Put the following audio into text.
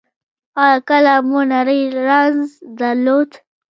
ایا کله مو نری رنځ درلود؟